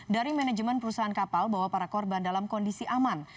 dari manajemen perusahaan kapal bahwa para korban dalam kondisi aman